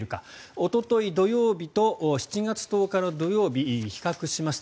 おととい土曜日と７月１０日の土曜日を比較しました。